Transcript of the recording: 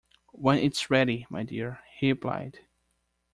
"When it's ready, my dear," he replied.